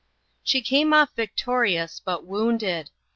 She came off victorious, but wounded.